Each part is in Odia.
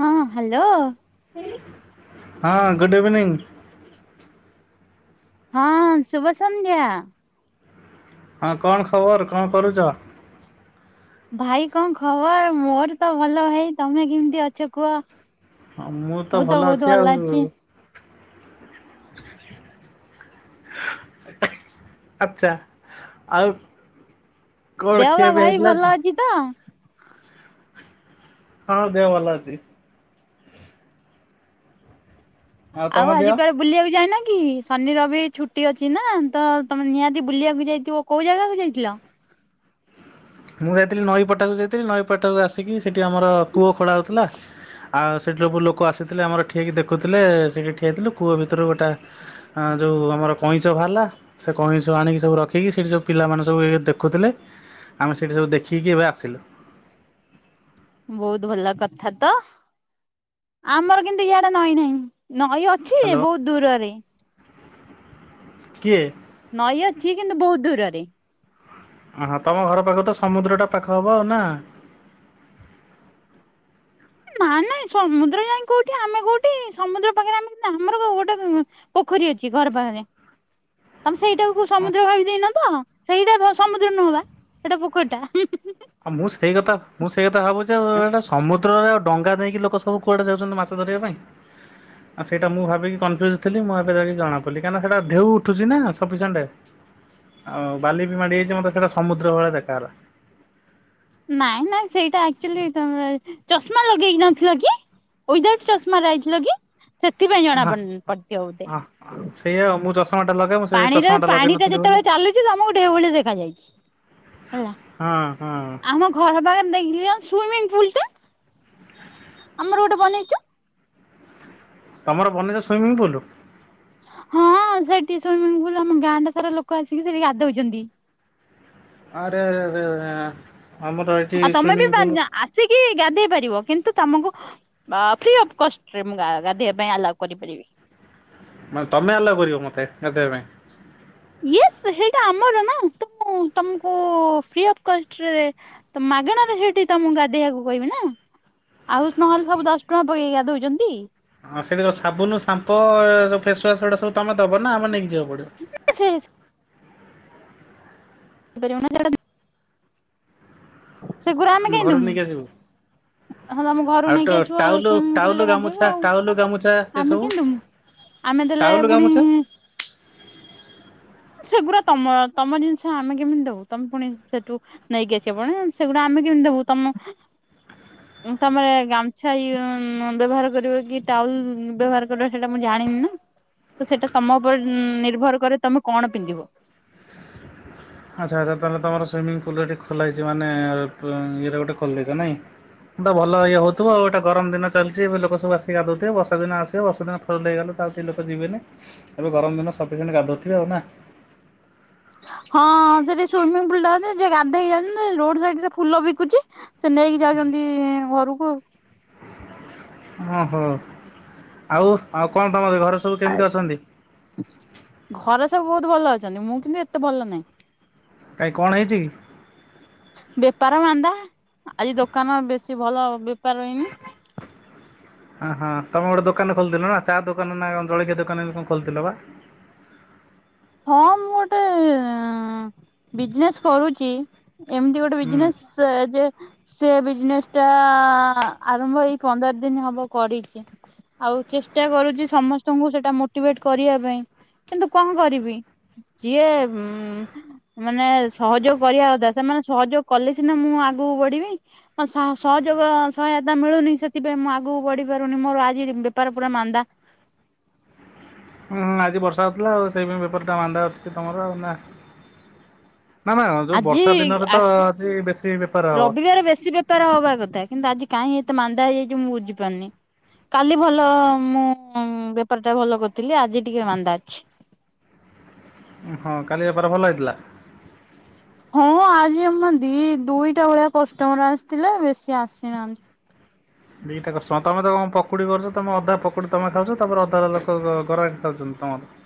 ହଁ ହାଲୋ ହଁ ଗୁଡ଼୍ ଇଭିନିଙ୍ଗ୍। ହଁ ଶୁଭ ସନ୍ଧ୍ୟା। ହଁ କଣ ଖବର କଣ କରୁଛ? ଭାଇ କଣ ଖବର ମୋର ତ ଭଲ ଭାଇ ତମେ କେମିତି ଅଛ କୁହ? ମୁଁ ତ ବହୁତ୍ ଭଲ ଅଛି। ଆଛା ଆଉ। କଣ ଦେହ ଖିଆ ପା ପିଆ ଭାଇ ହେଇଥିଲା ଭଲ ଆଜି? ଅଛି ତ? ହଁ ଉ ଦେହ ଭଲ ଅଛି। ତମ ଆଉ ଦେହ? ଆଜି କୁଆଡେ ବୁଲିବାକୁ ଯାଇନା କି ଶନି ରବି ଛୁଟି ଅଛି ନା ତ ତମେ ନିହାତି ବୁଲିବାକୁ ଯାଇଥିବ। କୋଉ ଜାଗାକୁ ଯାଇଥିଲ। ମୁଁ ଯାଇଥିଲି ନଈପଟାକୁ ଯାଇଥିଲି ନଈପଟାକୁ ଆସିକି ସେଇଠି ଆମର କୂଅ ଖୋଳା ହେଉଥିଲା। ଆଉ ସେଇଠି ସବୁ ଲୋକ ଆସିଥିଲେ ଆମର ଠିକ୍ ଦେଖୁଥିଲେ ସେଇଠି ଠିଆ ହେଇଥିଲୁ କୂଅ ଭିତରୁ ଗୋଟେ ଆଁ ଯୋଉ ଆମର କଇଁଚ ବାହାରିଲା। ସେ କଇଁଚ ଆଣିକି ସବୁ ରଖିକି ସେଇଠି ସବୁ ପିଲାମାନେ ସବୁ ଏ ଦେଖୁଥିଲେ। ଆମେ ସେଇଠି ସବୁ ଦେଖିକି ଏବେ ଆସିଲୁ। ବହୁତ ଭଲ କଥା ତ ଆମର କିନ୍ତୁ ଇଆଡେ ନଈ ନାହିଁ ନଈ ଅ ଛି ଏ ହ୍ୟାଲୋ ବହୁତ୍ ଦୂରରେ କିଏ? ନଈ ଅଛି କିନ୍ତୁ ବହୁତ୍ ଦୂରରେ। ଓହଁ ତମ ଘର ପାଖ ତ ସମୁଦ୍ର ଟା ପାଖ ହବ ଆଉ ନା? ନା ନାଇଁ ସମୁଦ୍ର ଯାଇ କୋଉଠି ଆମେ କୋଉଠି ସମୁଦ୍ର ପାଖରେ ଆମେ ଆମର ଗୋଟେ ପୋଖରୀ ଅଛି ଘର ପାଖରେ ତମେ ସେଇଟାକୁ ସମୁଦ୍ର ଭାବି ଦେଇନ ତ? ସେଇଟା ସମୁଦ୍ର ନୁହବା ସେଟା ପୋଖରୀଟା। [unintelligible] ଆଉ ମୁଁ ସେଇ କଥା ମୁଁ ସେଇ କଥା ଭାବୁଛି ଯେ ଏଟା ସମୁଦ୍ରରେ ଆଉ ଡଙ୍ଗା ଦେଇକି ଲୋକ ସବୁ କୁଆଡ଼େ ଯାଉଛନ୍ତି ମାଛ ଧରିବା ପାଇଁ। ଆ ସେଇଟା ମୁଁ ଭାବିକି କନଫିଉଜ୍ ଥିଲ ମୁଁ ଏବେ ଯାଇକି ଜଣାପଡ଼ି କହିଁକିନା ସେଟା ଢେଉ ଉଠୁଛି ନା ସଫିସିଏଣ୍ଟ୍। ଆଉ ବାଲି ବି ମାଡ଼ିଯାଇଛି ମତେ ସେଟା ସମୁଦ୍ର ଭଳିଆ ଦେଖାଗଲା। ନାଇଁ ନାଇଁ ସେଇଟା ଆକଚୁଆଲି ତମର ଚଷମା ଲଗେଇକି ନଥିଲ କି? ୱିଦାଆଉଟ୍ ଚଷମା ରେ ଆଇଥିଲ କି ସେଥିପାଇଁ ଜଣା ହଁ। ପଡ଼ି ପଡିଥିବ ବୋଧେ। ହଁ ସେଇଆ ଆଉ ମୁଁ ଚଷ ଟାମାଟ ଲଗେଇ ମୁଁ ସେ ପାଣିର ଚଶମାଟା ଲଗେଇ ପାଣି ଟା ନଥିଲି ବୋଲି। ଯେତେବେଳେ ଚାଲୁଛି ତମକୁ ଢେଉ ଭଳିଆ ଦେଖାଯାଇଛି। ହେଲା ହଁ ହଁ। ଆମ ଘର ପାଖରେ ଦେଖିଲି ସୁଇମିଙ୍ଗ ପୁଲଟା। ଆମର ଗୋଟେ ବନେଇଚୁ। ତମର ବନେଇଛ ସୁଇମିଙ୍ଗପୁଲ୍। ହଁ ସେଠି ଶୁଇମିଙ୍ଗପୁଲ୍ ଆମ ଗାଁଟା ସାରା ଲୋକ ଆସିକି ସେଠି ଗାଧଉଛନ୍ତି। ଆରେ ଆରେ ଆରେ ଆମର ଏଠି ଆଉ ତମେ ବି ସୁଇମିଂ ପୁଲ୍ ଆସିକି ଗାଧେଇ ପାରିବ କିନ୍ତୁ ତମକୁ ବା ଫ୍ରି ଅଫ୍ କଷ୍ଟରେ ମୁଁ ଗାଧେଇବା ପାଇଁ ଆଲାଉ କରିପାରିବି। ମାନେ ତମେ ଆଲାଓ କରିବ ମତେ ଗାଧେଇବା ପାଇଁ। ୟେସ୍ ସେଇଟା ଆମର ନା ତ ତମକୁ ଫ୍ରି ଅଫ୍ କଷ୍ଟରେ। ତ ମାଗଣାରେ ସେଠି ତମକୁ ଗାଧେଇବାକୁ କହିବେ ନା। ଆଉ ନହେଲେ ସବୁ ଦଶ ଟଙ୍କା ପକେଇକି ଗାଧୋଉଛନ୍ତି। ହଁ ସେଇଟିକି ସାବୁନ ସାମ୍ପୋ ସୁ ଫେସୱାସ୍ ଏଡ଼ା ସବୁ ତମେ ଦେବ ନା ଆମେ ନେଇକି ଯିବାକୁ ପଡ଼ିବ। ନା ସେ ହେଇପାରିବନା ସେଟା। ସେଗୁରା ଆମେ ଆମ କାହିଁ ଘରୁ ଦମୁ। ନେଇକି ଆସିବୁ ହଁ ତମ ଘରୁ ଆଉ ଟ ନେଇକି ଆସିବ ଟାଉଲୁ ସୁଇମିଂ ପୁଲ ଟାଉଲୁ ରେ ଗାଧେଇବୁ। ଗାମୁଛା ଆଉ ଟାଉଲୁ ଗାମୁଛା ଆମେ ଏସବୁ କାଇଁ ଦବୁ। ଆମେ ଦେଲେ ଟାଉଲୁ ପୁଣି ଗାମୁଛା ସେଗୁଡା ତମ ତମ ଜିନିଷ ଆମେ କେମିତି ଦବୁ ତମେ ପୁଣି ସେଠୁ ନେଇକି ଆସବ ଆପଣ ସେଗୁଡା ଆମେ କେମିତି ଦେବୁ ତମ ତମେ ଗାମୁଛା ଇ ବ୍ୟବହାର କରିବ କି ଟାଉଏଲ୍ ବ୍ୟବହାର କରିବ ସେଇଟା ମୁଁ ଜାଣିନି ନା। ତ ସେଇଟା ତମ ଉପରେ ନିର୍ଭର କରେ ତମେ କଣ ପିନ୍ଧିବ। ଆଚ୍ଛା ଆଚ୍ଛା ତାହେଲେ ତମର ସୁଇମିଙ୍ଗପୁଲ ଏଠି ଖୋଲା ହେଇଛି ମାନେ ଇଏରେ ଗୋଟେ ଖୋଲିଦେଇଛ ନାଇଁ। ତ ଭଲ ଇଏ ହଉଥିବ ଆଉ ଏବେ ତ ଗରମ ଦିନ। ଚାଲିଛି ଏବେ ଲୋକ ସବୁ ଆସିକି ଗଧୋଉଥିବେ ବର୍ଷା ଦିନ ଆସିବ ବର୍ଷା ଦିନ ଫୁଲ ହେଇଗଲା ତାପରେ ଲୋକ ଯିବେନି। ଏବେ ଗରମ ଦିନ ସଫିସେଣ୍ଟ ଗାଧୋଉଥିବେ ଆଉ ନା। ହଁ ସେଠି ସୁଇମିଙ୍ଗ ପୁଲ୍ ଟା ଯେ ଗାଧେଇଯାଉ ରୋଡ ସାଇଡ୍‌ ସେ ଫୁଲ ବିକୁଛି। ସେ ନେଇକି ଯାଉଛନ୍ତି ଘରକୁ। ଓହୋ ଆଉ ଆଉ କଣ ତମ ଘରେ ସବୁ? ଆ କେମିତି ଅଛନ୍ତି ଘରେ ସବୁ ବହୁତ ଭଲ ଅଛନ୍ତି ମୁଁ କିନ୍ତୁ ଏତେ ଭଲ ନାହିଁ। କାଇଁ କଣ ହେଇଛି କି? ବେପାର ମାନ୍ଦା ଆଜି ଦୋକାନ ବେଶୀ ଭଲ ବେପାର ହେଇନି ହାଁ ହଁ ତମେ ଗୋଟେ ଦୋକାନ ଖୋଲିଥିଲ ନା ଚା ଦୋକାନ ନା ଜଳଖିଆ ଦୋକାନ ଏମିତି କଣ ଖୋଲିଥିଲ ବା। ହଁ ମୁଁ ଗୋଟେ ବିଜିନେସ୍ କରୁଛି ଏମିତି ଗୋଟେ ହୁଁ ବିଜନେସ୍ ସେ ଯେ ସେ ବିଜିନେସ୍‌ ଟା ଆରମ୍ଭ ଏଇ ପନ୍ଦର ଦିନ ହବ କରିଚି। ଆଉ ଚେଷ୍ଟା କରୁଚି ସମସ୍ତଙ୍କୁ ସେଇଟା ମୋଟିଭେଟ୍ କରିବା ପାଇଁ କିନ୍ତୁ କଣ କରିବି। ଯିଏ ଉଁମ୍। ମାନେ ସହଯୋଗ କରିବା କଥା ସେମାନେ ସହଯୋଗ କଲେ ସିନା ମୁଁ ଆଗକୁ ବଢିବି। ସା ସହଯୋଗ ସହାୟତା ମିଳୁନି ସେଥିପାଇଁ ମୁଁ ଆଗକୁ ବଢି ପାରୁନି ମୋର ଆଜି ବେପାର ପୁରା ମାନ୍ଦା। ହୁଁ ହୁଁ ଆଜି ବର୍ଷା ହୋଉଥିଲା ଆଉ ସେଇ ପାଇଁ ବେପାର ଟା ମାନ୍ଦା ଅଛି କି ତମର ଆଉ ନା। ନା ନା ଯୋଉ ଆଜି ବର୍ଷା ଦିନରେ ତ ଆଜି ବେଶୀ ବେପାର ହବ। ଇଆରେ ବେଶୀ ବେ ବେପାର ହବା କଥା କିନ୍ତୁ ଆଜି କାହିଁ ଏତେ ମାନ୍ଦା ହେଇଯାଇଛି ମୁଁ ବୁଝିପାରୁନି। କାଲି ଭଲ ମୁଁ ବେପାର ଟା ଭଲ କରିଥିଲି ଆଜି ଟିକେ ମାନ୍ଦା ଅଛି। ହଁ କାଲି ବେପାର ଭଲ ହେଇଥିଲା? ହଁ ଆଜି ଆମର ଦି ଦୁଇଟା ଭଳିଆ କଷ୍ଟମର ଆସିଥିଲେ ବେଶୀ ଆସିନାହାନ୍ତି। ଦିଇଟା କଷ୍ଟମର ତମେ ତ କଣ ପକୁଡ଼ି କରୁଛ ତମେ ଅଧା ପକୁଡ଼ି ତମେ ଖାଉଛ ତାପରେ ଅଧା ଲୋକ ଗରକି ଖାଉଛନ୍ତି ତମର।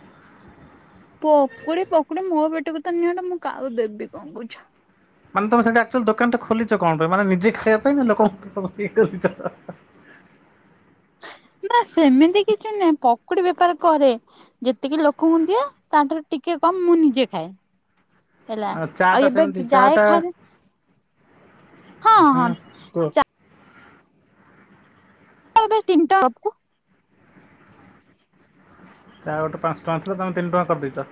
ପକୁଡି ପକୁଡି ମୋ ପେଟକୁ ତ ନିଅଟ ମୁଁ କାକୁ ଦେବି କଣ କରୁଛ। ମାନେ ତମେ ସେଟା ଏକ୍ଟିଆଲୀ ଦୋକାନ ଟା ଖୋଲିଛ କଣ ପାଇଁ ମାନେ ନିଜେ ଖାଇବା ପାଇଁ ନା ଲୋକ [unintelligible] ଖୋଲିଚ। ନାଁ ସେମିତି କିଛି ନୁହଁ ପକୁଡି ବେପାର କରେ। ଯେତିକି ଲୋକଙ୍କୁ ଦିଏ ତାଠାରୁ ଟିକେ କମ୍ ମୁଁ ନିଜେ ଖାଏ। ହେଲା ଚା ଟା ଆଉ ଏବେ ସେମିତି ଚା ଜାଏ ଟା ଖାରେ ହୁଁ କୁଅ। ଆଉ ଏବେ ତିନିଟା ଅବ୍ କୁ ଚା ଗୋଟା ପାଞ୍ଚ ଟଙ୍କ ଥିଲା ତମେ ତିନିଟଙ୍କା କରି ଦେଇଚ।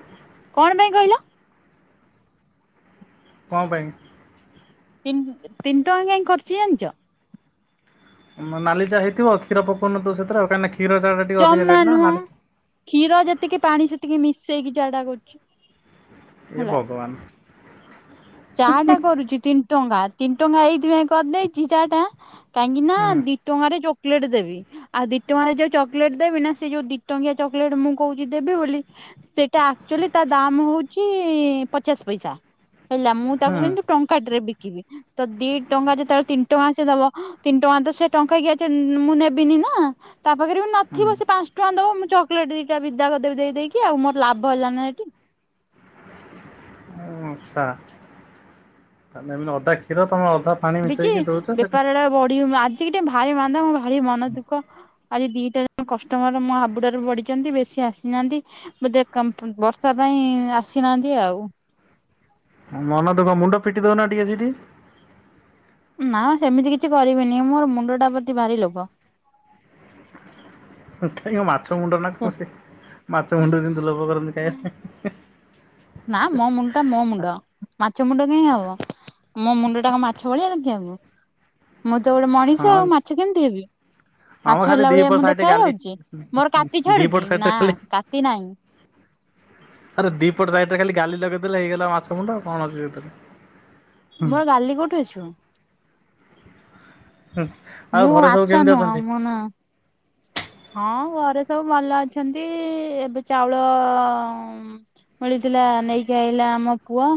କଣ ପାଇଁ କହିଲ? କଣ ପାଇଁ? ତିନ୍ ତିନି ଟଙ୍କା କାଇଁ କରିଚି ଜାଣିଚ? ମ ନାଲି ଚା ହେଇଥିବ କ୍ଷୀର ପକଉ ନଥିବ ସେଥିରେ କାଁଇ ନାଁ ଖି ଜମା ନୁହଁ କ୍ଷୀର ଯେତିକି ପାଣି ସେତିକି ମିଶେଇକି ଚା ଟା କରୁଛି। ଏ ବଗବାନ୍। ଚା ଟା କରୁଛି ତିନି ଟଙ୍କା ତିନି ଟଙ୍କା ଏଇଥିପାଇଁ କରିଦେଇଚି ଚା ଟା କାହିଁକି ନାଁ ହୁଁ ଦି ଦିଟଙ୍କା ରେ ଚକଲେଟ୍ ଦେବି। ଆଉ ଦି ଟଙ୍କାରେ ଯୋଉ ଚକଲେଟ୍ ଦେବି ନା ସେ ଯୋଉ ଦିଟଙ୍କିଆ ଚକଲେଟ୍ ମୁଁ କହୁଛିି ଦେବି ବୋଲି ସେଟା ଆକ୍ଚୁଆଲି ତା ଦାମ୍ ହଉଛି ପଚାଶ ପଇସା। ହେଲା ମୁଁ ହୁଁ ତାକୁ କିନ୍ତୁ ଟଙ୍କା ଟେରେ ବିକିବି। ତ ଦି ଟଙ୍କା ଯେତେବେଳେ ତିନି ଟଙ୍କା ସେ ଦବ ତିନି ଟଙ୍କା ତ ସେ ଟଙ୍କା କିଆ ଚ ମୁଁ ନେବିନି ନା। ତା ପାଖରେ ବି ହୁଁ ନଥିବ ସେ ପାଞ୍ଚ ଟଙ୍କା ଦବ ମୁଁ ଚକଲେଟ୍ ଦିଟା ବିଦା କରିଦବି ଦେଇ ଦେଇକି ଆଉ ମୋର ଲାଭ ହେଲା ନା ହେଟି। ଆଚ୍ଛା ତାଲେ ଏମ ଅଧା କ୍ଷୀର ତମେ ଅଧା ପାଣି ଭାବଚି ମିଶେଇକି ଦଉଛ ସେଟା ବେପାର ଟା ବଢିି ଆଜି ଟେ ଭାରି ମାନ୍ଦା ମ ଭାରି ମନ ଦୁଃଖ ଆଜି ଦିଟା କଷ୍ଟମର ମୋ ହାବୁଡ଼ରେ ପଡ଼ିଛନ୍ତି ବେଶୀ ଆସି ନାହାଁନ୍ତି। ବୋଧେ ଙ୍କ ପ ବର୍ଷା ପାଇଁ ଆସିନାହାନ୍ତି ଆଉ। ମନ ଦୁଃଖ ମୁଣ୍ଡ ପିଟି ଦଉନ ଟିକେ ସେଇଠି। ନାଁ ସେମିତି କିଛି କରିବିନି ମୋର ମୁଣ୍ଡ ଟା ପ୍ରତି ଭାରି ଲୋଭ। କାହିଁକି ମାଛ ମୁଣ୍ଡ ନା କଣ ସେ ମାଛ ମୁଣ୍ଡ ଯେମିତି ଲୋଭ କରନ୍ତି ଖାଇବା ପାଇଁ ନାଁ ମୋ ମୁଣ୍ଡ ଟା ମୋ ମୁଣ୍ଡ ମାଛ ମୁଣ୍ଡ କାହିଁକି ହବ। ମୋ ମୁଣ୍ଡ ଟା କଣ ମାଛ ଭଳିଆ ଦେଖିବାକୁ ମୁଁ ତ ଗୋଟେ ମଣିଷ ପାଇଁ ଆଉ ମାଛ କେମିତି ହେବି। ହଁ ହଁ ମାଛ ଖାଲି ହେଲା ଭଳିଆ ଦିପଟ ମୁଁ ସାଇଡ ଦେଖା ଗାଲି ଯାଉଛି ମୋର କାତି ଦିପଟ ଛାଡୁଚି ସାଇଡରେ ନାଁ ଖାଲି କାତି ନାହିଁ। ଆରେ ଦିପଟ ସାଇଟରେ ଖାଲି ଗାଲି ଲଗେଇ ଦେଲେ ହେଇଗଲା ମାଛ ମୁଣ୍ଡ ଆଉ କଣ ଅଛି ସେଥିରେ। ହୁଁ ମୋର ଗାଲି କୋଉଠୁ ଆସିବ? ହୁଁ ଆଉ ମୁଁ ଘରେ ସବୁ ମାଛ କେମିତି ନୁହଁ ଅଛନ୍ତି? ମୁଁ ନୁ ହଁ ଘରେ ସବୁ ଭଲ ଅଛନ୍ତି ଏବେ ଚାଉଳ ଉଁ ମିଳିଥିଲା ନେଇକି ଆଇଲା ଆମ ପୁଅ।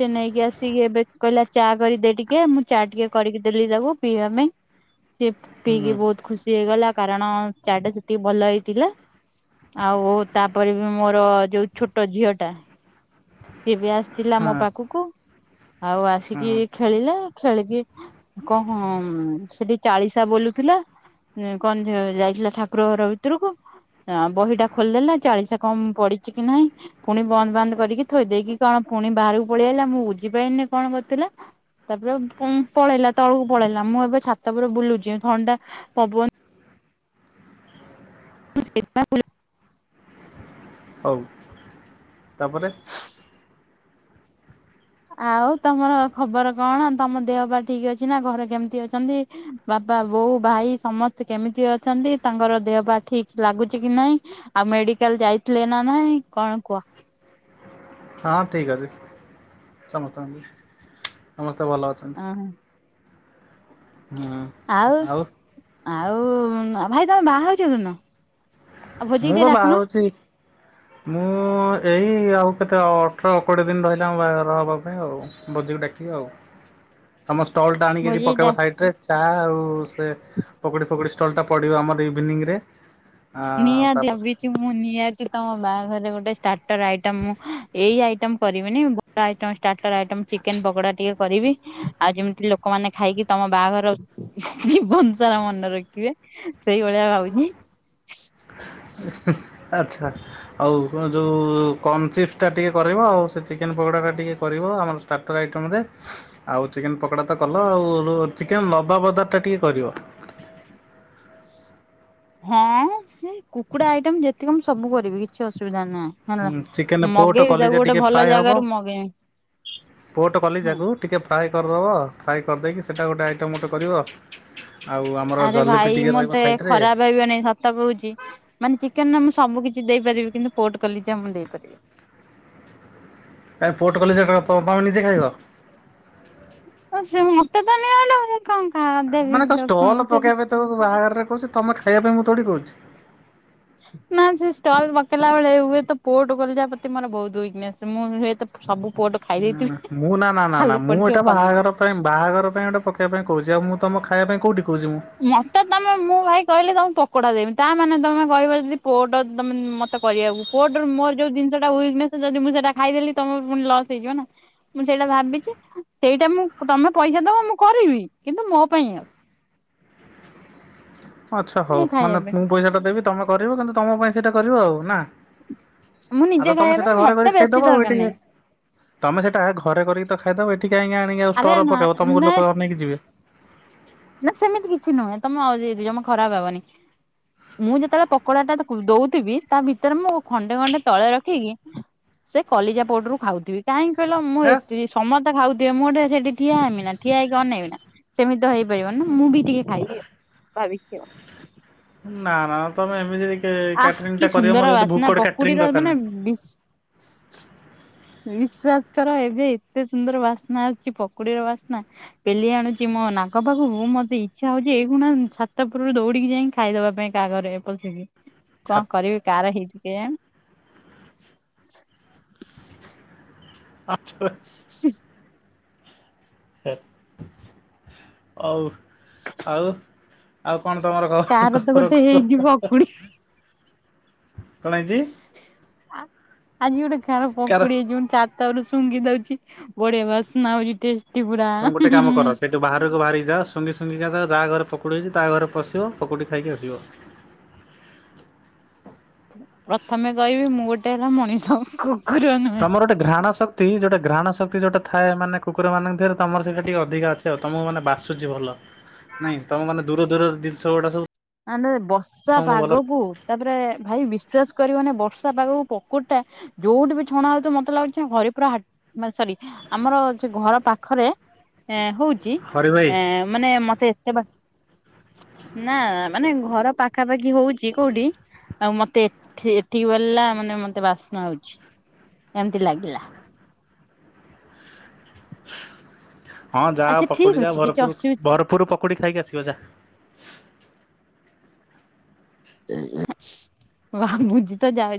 ସେ ନେଇକି ଆସିକି ଏବେ କହିଲା ଚା କରିଦେ ଟିକେ ମୁଁ ଚା ଟିକେ କରିକି ଦେଲି ତାକୁ ପିଇବା ପାଇଁ। ସେ ହୁଁ ପିଇକି ବହୁତ୍ ଖୁସି ହେଇଗଲା କାରଣ ଚାଟା ଯେତିକି ଭଲ ହେଇଥିଲା। ଆଉ ତାପରେ ବି ମୋର ଯୋଉ ଛୋଟ ଝିଅ ଟା ସିଏ ବି ଆସିଥିଲା ହଁ ମୋ ପାଖୁକୁ ଆଉ ଆସିକି ହଁ ଖେଳିଲା ଖେଳିକି କ ହଁ ମ ସେଠି ଚାଳିଶା ବୋଲୁଥିଲା। ଉଁ କଣ ଯାଇଥିଲା ଠାକୁର ଘର ଭିତୁରୁକୁ ହଁ ବହିଟା ଖୋଲିଦେଲା ଚାଳିଶା କମ୍ ପଡିଚି କି ନାହିଁ ପୁଣି ବନ୍ଦ ବାନ୍ଦ କରିକି ଥୋଇ ଦେଇକି କଣ ପୁଣି ବାହାରକୁ ପଳେଇ ଆଇଲା ମୁଁ ବୁଝି ପାଇନେଇ କଣ କରିଥିଲା। ତାପରେ ପୁ ପଳେଇଲା ତଳକୁ ପଳେଇଲା ମୁଁ ଏବେ ଛାତ ଉପରେ ବୁଲୁଚି ଥଣ୍ଡା ପବନ [unintelligible] ହଉ ତାପରେ? ଆଉ ତମର ଖବର କଣ ତମ ଦେହ ପା ଠିକ୍ ଅଛି ନା ଘରେ କେମିତି ଅଛନ୍ତି? ବାପା, ବୋଉ, ଭାଇ ସମସ୍ତେ କେମିତି ଅଛନ୍ତି ତାଙ୍କର ଦେହ ପା ଠିକ୍ ଲାଗୁଚି କି ନାଇଁ। ଆଉ ମେଡିକାଲ୍ ଯାଇଥିଲେ ନା ନାହିଁ କଣ କୁଅ। ହଁ ଠିକ୍ ଅଛି ସମସ୍ତଙ୍କ ଦେହ ସମସ୍ତେ ଭଲ ଅଛନ୍ତି। ହୁଁ। ହୁଁ ଆଉ? ଆଉ ଭାଇ ତମେ ବାହାହଉଛ କଉ ଦିନ? ମୁଁ ବା ବାହାହଉଛି। ମୁଁ ଏଇ ଆଉ କେତେ ଅଠର କୋଡ଼ିଏ ଦିନ୍ ରହିଲା ମୋ ବାହାଘର ହେବା ପାଇଁ ଆଉ। ଭୋଜିକୁ ଡ଼ାକିବି ଆଉ। ହ [unintelligible] ତମ ଷ୍ଟଲ୍ ଟା ଆଣିକି ଏଇଠି ପକେଇବ ସାଇଟ୍ ରେ। ଚା ଆଉ ସେ ପକୁଡ଼ି ଫକୁଡ଼ି ଷ୍ଟଲ୍ ଟା ପଡ଼ିବ ଆମର ଇଭିନିଂରେ। [unintelligible] ମୁଁ ନିଆତି ତମ ବାହାଘରେ ଗୋଟେ ଷ୍ଟାର୍ଟର ଆଇଟମ ମୁଁ ଏଇ ଆଇଟମ୍ କରିବିନି ମ [inaudible] ଷ୍ଟାର୍ଟର ଆଇଟମ୍ ଚିକେନ୍ ପକଡା ଟିକେ କରିବି। ଆଉ ଯେମିତି ଲୋକମାନେ ଖାଇକି ତମ ବାହାଘର ଜୀବନ ସାରା ମନେ ରଖିବେ। ସେଇଭଳିଆ ଭାବୁଛି। ଆଚ୍ଛା। ଆଉ ଯୋଉ କର୍ଣ ଚିପ୍ସ ଟା ଟିକେ କରେଇବ ଆଉ ସେ ଚିକେନ ପକଡା ଟା ଟିକେ କରିବ ଆମର ଷ୍ଟାର୍ଟର ଆଇଟମ ରେ ଆଉ ଚିକେନ ପକଡ଼ା ତ କଲ ଆଉ ଚିକେନ ଲବାବଦାର ଟା ଟିକେ କରିବ। ହଁ ସେ କୁକୁଡ଼ା ଆଇଟମ୍ ଯେତିକ ମୁଁ ସବୁ କରିବି କିଛି ଅସୁବିଧା ନାହିଁ। ଚିକେନ୍ ହ ପୋଟ ମଗେଇବି ତାକୁ କଲିଜା ଗୋଟେ ଟିକେ ଭଲ ଫ୍ରାଏ ହବ ଜାଗାରୁ ପୋଟ ମଗେଇବି ହଁ। କଲିଜାକୁ ଟିକେ ଫ୍ରାଏ କରିଦେବ ଫ୍ରାଏ କରିଦେଇକି ସେଇଟା ଗୋଟେ ଆଇଟମ୍ ଗୋଟେ କରିବ ଆଉ ଆମ ଆରେ ଭାଇ ମତେ ଖରାପ ଭାବିବେନି ସ ସତ କହୁଛି ମାନେ ଚିକେନ୍ ର ମୁଁ ସବୁ କିଛି ଦେଇପାରିବି କିନ୍ତୁ ପୋଟ୍ କଲିଜା ମୁଁ ଦେଇପାରିବିନି। କାଇଁ ପୋର୍ଟ କଲିଜା ତମେ କ ନିଜେ ଖାଇବ? ସେ ମତେ ତ ନିଅଣ୍ଟ ମୁଁ କଣ କା ଦେବି ମାନେ କଣ ଲୋକ ଷ୍ଟଲ୍ ସେ ପକେଇବା ପାଇଁ ତମକୁ ବାହାଘର ରେ କହୁଛି ତମେ ଖାଇବା ପାଇଁ ମୁଁ ତୋଡ଼ି କହୁଛି। ନା ସେ ଷ୍ଟଲ୍ ପକେଇଲା ବେଳେ ହୁଏତ ପୋର୍ଟ କଲିଜା ପ୍ରତି ମୋର ବହୁତ ୱିକ୍ ନେସ୍ ମୁଁ ହୁଏତ ସବୁ ପୋଟ ଖାଇ ନା ଦେଇଥିବି ନା ମୁଁ ନା ନା ନା ନା ଖାଲି ମୁଁ ପଡିଥିବ ଏଟା କଲି ବାହାଘର ପାଇଁ ବାହାଘର ପାଇଁ ଗୋଟେ ପକେଇବା ପାଇଁ କହୁଛି ଆଉ ମୁଁ ତମ ଖାଇବା ପାଇଁ କେଉଁଠି କହୁଛି ମୁଁ।? ମତେ ତମେ ମୁଁ ଭାଇ କହିଲି ତମ ପକଡା ଦେମି ତା ମାନେ ତମେ କହିବ ଯଦି ପୋର୍ଟ ତମେ ମତେ କରିବାକୁ। ପୋର୍ଟ ମୋର ଯଉ ଜିନିଷ ଟା ଉଇକ୍ ନେସ୍ ଯଦି ମୁଁ ସେଟା ଖାଇଦେଲି ତମର ପୁଣି ଲସ୍ ହେଇଯିବ ନା? ମୁଁ ସେଇଟା ଭାବିଛି ସେଇଟା ମୁଁ ତମେ ପଇସା ଦବ ମୁଁ କରିବି କିନ୍ତୁ ମୋ ପାଇଁ ଆଉ। ଆଚ୍ଛା ମୁଁ ହଉ ଖାଇବା ମାନେ ପାଇଁ ମୁଁ ପଇସାଟା ଦେବି ତମେ କରିବ କିନ୍ତୁ ତମ ପାଇଁ ସେଇଟା କରିବ ଆଉ ନା? ମୁଁ ଆଉ ନିଜେ ତ ତମେ ଖାଇବା ସେଟା ପାଇଁ ଘରେ ମତେ କରି ବେଶୀ ଖାଇଦବ ଆଉ ଦରକାର ଏଇଟି କା ନାହିଁ ତମେ ସେଟା ଘରେ କରିକି ତ ଖାଇଦବ ଏଠି କାଇଁକି ଆଣିକି ଆଉ ଆରେ ଷ୍ଟଲ୍ ରେ ନା ପକେଇବ ତମକୁ ନା ଲୋକ ଅନେଇକି ଯିବେ। ନା ସେମିତି କିଛି ନୁହେଁ ତମେ ଅଜେଇ ଖରାପ ଭାବନି। ମୁଁ ଯେତେବେଳେ ପକଡା ଟା ଦଉଥିବି ତା ଭିତରେ ମୁଁ ଖଣ୍ଡେ ଖଣ୍ଡେ ତଳେ ରଖିକି ସେ କଲିଜା ପୋର୍ଟରୁ ଖାଉଥିବ କାହିଁ କହିଲ ମୁଁ ହେ। ଏତିି ସମସ୍ତେ ଖାଉଥିବେ ମୁଁ ଗୋଟେ ସେଠି ଠିଆ ହେବିନା ଠିଆ ହେଇକି ଅନେଇବି ନା ସେମିତି ତ ହେଇପା ପାରିବ ନା ମୁଁ ବି ଟିକେ ଖାଇବି ଭାବିଛି ଆଉ। ନା ନା ନା ତମେ ଏମିତି ଆଁ ଆଃ କ୍ୟାଟରିଙ୍ଗ କି ଟା କରିବ ସୁନ୍ଦର ମୋର ସେଠୀ ବାସ୍ନା ଭୁକଡ କ୍ୟାଟରିଙ୍ଗ ପକୁଡିର ଦରକାର ମାନେ ନାଇଁ। ବିଶ୍ୱାସ କର ଏବେ ଏତେ ସୁନ୍ଦର ବାସ୍ନା ଆସୁଛି ପକୁଡିର ବାସ୍ନା। ପେଲି ଆଣୁଛି ମୋ ନାକ ପାଖକୁ ମତେ ଇଚ୍ଛା ହଉଛି ଏଗୁଣା ଛାତଉପରୁ ଦୌଡିକି ଯାଇଁକି ଖାଇଦବା ପାଇଁ କାହା ଘରେ ପଶିକି କଣ ଛାତ କରିବି କାହାର ହେଇଛି କେଜାଣି। ଆଛ। [unintelligible] ଆଉ ଆଉ। ଆଉ କଣ ତମର କାର ତ ଗୋଟେ ହେଇଛି [unintelligible] କଣ ହେଇଛି? ପକୁଡି ଆଜି ଗୋଟେ କାହାର କାର ପକୁଡି ହେଇଛି ମୁଁ ଚା ତାପରୁ ଶୁଙ୍ଘି ଦୋଉଚି ବଢିଆ ବାସ୍ନା ହୋଉଚି ଟେଷ୍ଟ। ତମେ ଗୋଟେ କାମକର ସେ ସେ ବାହାରକୁ ବାହାରିକି ଯାଅ ଶୁଙ୍ଗି ଶୁଙ୍ଗି କା ଯାଅ ଯାହା ଘରେ ପକୁଡ଼ି ହେଇଚି ତା ଘରେ ପଶିବ ପକୁଡ଼ି ଖାଇକି ଆସିବ। ପ୍ରଥମେ କହିବି ମୁଁ ଗୋଟେ ହେଲା ମଣିଷ କୁ ତମର ଗୋଟେ ଘ୍ରାଣ ଶକ୍ତି ଯୋଉଟା ଘ୍ରାଣ ଶକ୍ତି ଯୋଉଟା ଥାଏ ମାନେ କୁକୁରମାନଙ୍କ ଦେହରେ ତମର ସେଇଟା ଟିକେ ଅଧିକା ଅଛି। ତମକୁ ମାନେ ବାସୁଚି ଭଲ ନାଇଁ ତମକୁ ମାନେ ଦୂର ଦୂର ଜିନିଷଗୁଡା ସବୁ ମାନେ ବର୍ଷା ତମକୁ ଭଲ ପାଗକୁ ତାପରେ ଭାଇ ବିଶ୍ଵାସ କରିବନି ବର୍ଷା ପାଗକୁ ପକୁଡ଼ିଟା ଯୋଉଠି ବି ଛଣା ହୋଉଥୁବ ମତେ ଲାଗୁଚି ହରିପୁର ହାଟ ମା ସରି ଆମର ସେ ଘର ପାଖରେ ଏଁ ହୋଉଚି ହରି ଭାଇ ଏଁ ମାନେ ମତେ ଏତେ ବା ନା ମାନେ ଘର ପାଖାପାଖି ହୋଉଚି କୋଉଠି ଆଉ ମତେ ଏଠି ଏଠିକି ବୋଲିଲା ମାନେ ମତେ ବାସ୍ନା ହୋଉଛି ଏମତି ଲାଗିଲା। ହଁ ଯାଅ ଆଚ୍ଛା ଠିକ ପକୁଡିଯାଅ ଅଛି କିଛି ଭରପୁରୁ ଅସୁବିଧା ଭରପୁରୁ ପକୁଡି ଖାଇକି ଆସିବ ଯା। ବା ବୁଝି ତ ଯାଉ